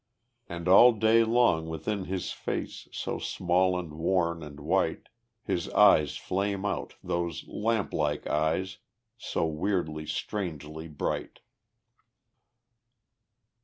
And all day long within his face, So small and worn and white, His eyes flame out those lamp like eyes, So weirdly, strangely bright.